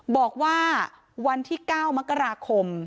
บอกว่าวันที่๙มค